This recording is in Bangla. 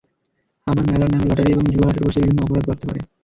আবার মেলার নামে লটারি এবং জুয়ার আসর বসলে বিভিন্ন অপরাধ বাড়তে পারে।